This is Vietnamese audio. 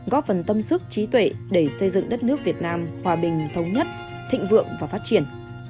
góp phần tâm sức trí tuệ để xây dựng đất nước việt nam hòa bình thống nhất thịnh vượng và phát triển